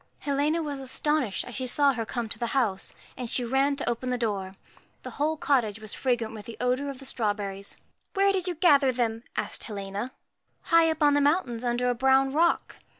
USCHKA Helena was astonished as she saw her come to the house, and she ran to open the door. The whole cottage was fragrant with the odour of the strawberries. 'Where did you gather them?' asked Helena. 1 High up on the mountains, under a brown rock.'